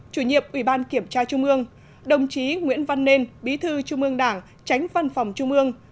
cha trung ương đồng chí nguyễn văn nên bí thư trung ương đảng tránh văn phòng trung ương